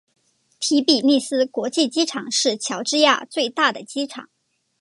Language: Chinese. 提比利斯国际机场是乔治亚最大的机场。